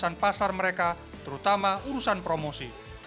untuk memperluas pasar mereka terutama urusan promosi